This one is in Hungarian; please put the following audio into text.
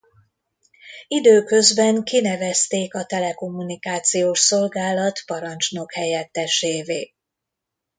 Időközben kinevezték a telekommunikációs szolgálat parancsnokhelyettesévé.